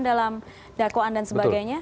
dalam dacoan dan sebagainya